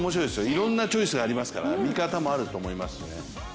いろんなチョイスがありますから見方もあると思いますしね。